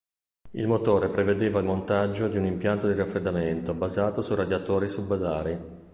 Il motore prevedeva il montaggio di un impianto di raffreddamento basato su radiatori subalari.